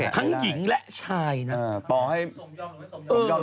ทั้งหญิงและชายนะ